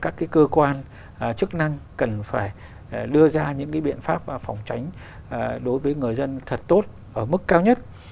các cơ quan chức năng cần phải đưa ra những biện pháp phòng tránh đối với người dân thật tốt ở mức cao nhất